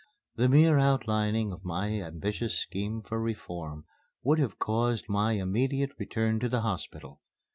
The mere outlining of my ambitious scheme for reform would have caused my immediate return to the hospital.